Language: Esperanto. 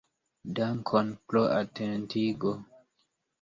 Dankon pro atentigo.